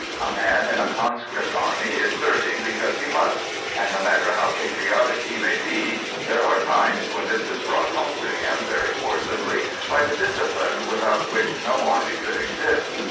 A man in a conscript army is serving because he must, and, no matter how patriotic he may be, there are times when this is brought home to him very forcibly by the discipline without which no army could exist.